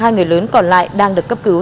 hai người lớn còn lại đang được cấp cứu